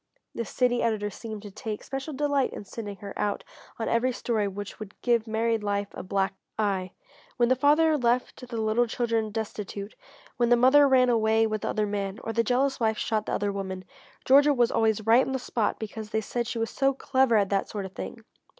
The city editor seemed to take special delight in sending her out on every story which would "give married life a black eye." When the father left the little children destitute, when the mother ran away with the other man, or the jealous wife shot the other woman, Georgia was always right on the spot because they said she was so clever at that sort of thing.